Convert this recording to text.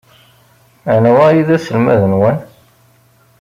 Anwa ay d aselmad-nwen?